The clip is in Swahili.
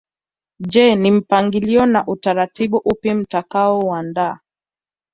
Je ni mpangilio na utaratibu upi mtakaouandaa